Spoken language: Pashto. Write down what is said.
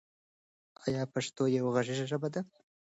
آیا پښتو یوه غږیزه ژبه ده؟